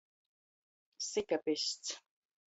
Sikapists.